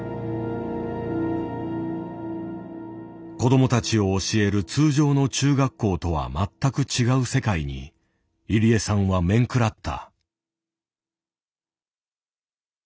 子供たちを教える通常の中学校とは全く違う世界に入江さんはめんくらった。